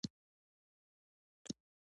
پانګې غلا کوي.